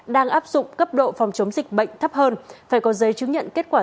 đang áp dụng cấp độ phòng chống dịch bệnh thấp hơn phải có giấy chứng nhận kết quả